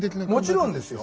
もちろんですよ。